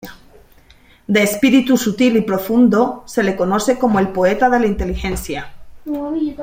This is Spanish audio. De espíritu sutil y profundo, se le conoce como "el poeta de la inteligencia".